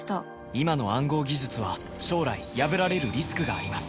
今の暗号技術は将来破られるリスクがあります